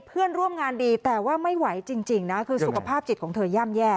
เพื่อนร่วมงานดีแต่ว่าไม่ไหวจริงนะคือสุขภาพจิตของเธอย่ำแย่